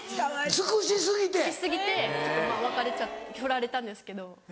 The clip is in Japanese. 尽くし過ぎて別れふられたんですけど。